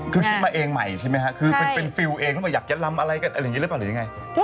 คือคิดมาเองใหม่ใช่ไหมคะคือฟิลตัวเองเขาบอกอยากยั้ดรำอะไรอะไรอย่างนี้หรือนี่ไง